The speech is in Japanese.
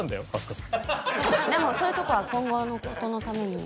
でもそういうとこは今後の事のために。